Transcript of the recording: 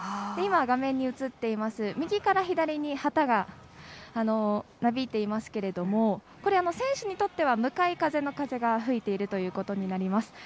今、画面に映っています右から左に旗がなびいていますけど選手にとっては向かい風が吹いているということになります。